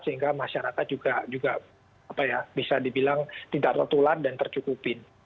sehingga masyarakat juga bisa dibilang tidak tertular dan tercukupin